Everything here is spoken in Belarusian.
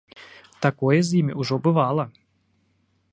Такое з ім ужо бывала.